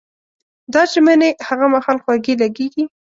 دا ژمنې هغه مهال خوږې لګېږي.